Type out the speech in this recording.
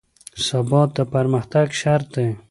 ثبات د پرمختګ شرط دی